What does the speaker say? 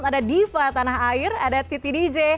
ada diva tanah air ada titi dj